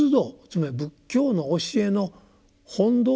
つまり仏教の教えの本道